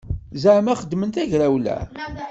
Zaɛma xedmen tagrawla.